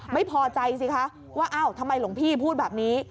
ไม่พอใจสิคะว่าอ้าวทำไมหลวงพี่พูดแบบนี้